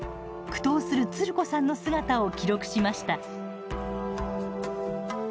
苦闘するつる子さんの姿を記録しました。